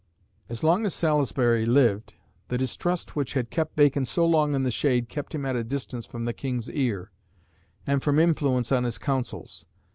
As long as Salisbury lived, the distrust which had kept Bacon so long in the shade kept him at a distance from the King's ear, and from influence on his counsels.